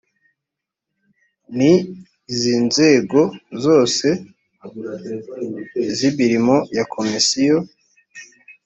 n iz inzego zose z imirimo ya komisiyo